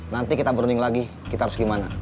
nanti kita berunding lagi kita harus gimana